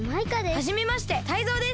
はじめましてタイゾウです。